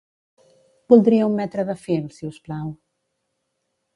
Voldria un metre de fil, si us plau.